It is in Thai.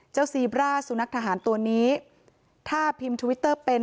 ซีบร่าสุนัขทหารตัวนี้ถ้าพิมพ์ทวิตเตอร์เป็น